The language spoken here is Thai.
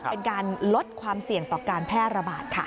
เป็นการลดความเสี่ยงต่อการแพร่ระบาดค่ะ